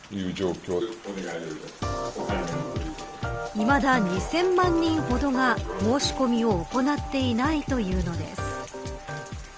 いまだ２０００万人ほどが申し込みを行っていないというのです。